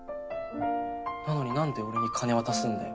なのになんで俺に金渡すんだよ？